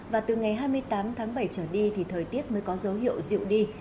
và từ ngày hai mươi tám tháng bảy trở đi thì thời tiết mới có dấu hiệu dịu đi